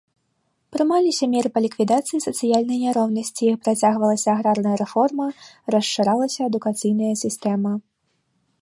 Прымаліся меры па ліквідацыі сацыяльнай няроўнасці, працягвалася аграрная рэформа, расшыралася адукацыйная сістэма.